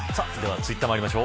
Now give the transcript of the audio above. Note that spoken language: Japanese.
ツイッターまいりましょう。